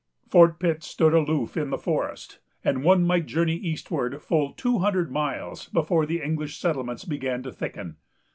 Fort Pitt stood far aloof in the forest, and one might journey eastward full two hundred miles, before the English settlements began to thicken.